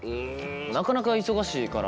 なかなか忙しいから。